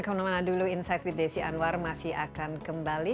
kemana mana dulu insight with desi anwar masih akan kembali